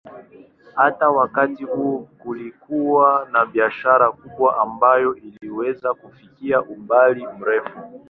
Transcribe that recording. Hata wakati huo kulikuwa na biashara kubwa ambayo iliweza kufikia umbali mrefu.